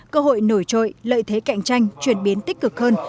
cơ hội nổi trội lợi thế cạnh tranh chuyển biến tích cực hơn